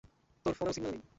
তোর ফোনেও সিগন্যাল নেই।